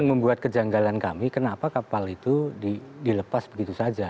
yang membuat kejanggalan kami kenapa kapal itu dilepas begitu saja